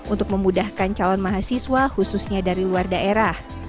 untuk memudahkan calon mahasiswa khususnya dari luar daerah